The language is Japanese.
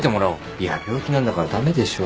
いや病気なんだから駄目でしょ。